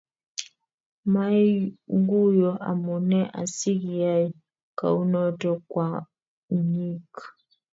Maiguyo amune asikiyae kounoto kwonyik